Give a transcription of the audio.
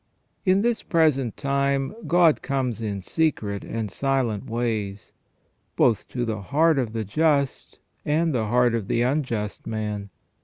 f In this present time God comes in secret and silent ways, both to the heart of the just and the heart of the unjust man.